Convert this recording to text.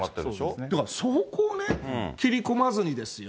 だからそこをね、切り込まずにですよ、